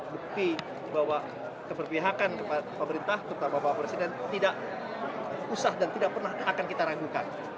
bukti bahwa keberpihakan kepada pemerintah terutama bapak presiden tidak usah dan tidak pernah akan kita ragukan